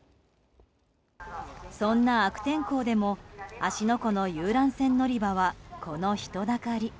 そんな悪天候でも芦ノ湖の遊覧船乗り場はこの人だかり。